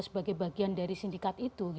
sebagai bagian dari sindikat itu